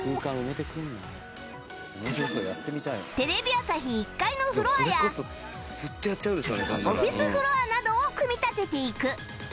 テレビ朝日１階のフロアやオフィスフロアなどを組み立てていく